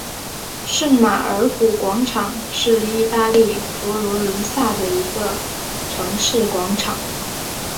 圣马尔谷广场是意大利佛罗伦萨的一个城市广场。